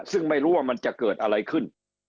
ซึ่งไม่รู้ว่ามันจะเกิดอะไรขึ้น